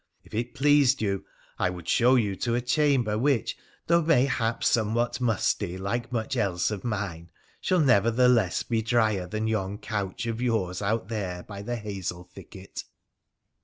If it pleased you, I would show you to a chamber, which, though mayhap somewhat musty, like much else of mine, shall nevertheless be drier than yon couch of yours out there by the hazel thicket.'